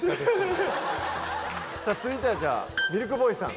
さあ続いてはじゃあミルクボーイさん。